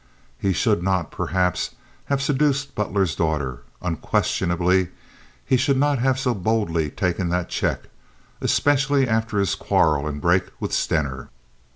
He should not, perhaps, have seduced Butler's daughter; unquestionably he should not have so boldly taken that check, especially after his quarrel and break with Stener.